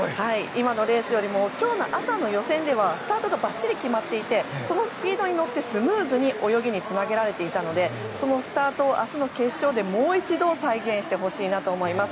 今のレースよりも今日の朝の予選ではスタートがばっちり決まっていてそのスピードに乗ってスムーズに泳ぎにつなげられていたのでそのスタートを明日の決勝でもう一度再現してほしいなと思います。